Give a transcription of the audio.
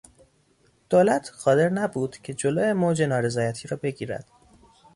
دولت قادر نبود که جلو موج نارضایتی را بگیرد.